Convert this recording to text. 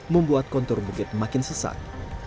membuat kontur bukit makin sesak